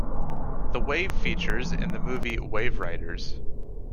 The wave features in the movie Waveriders.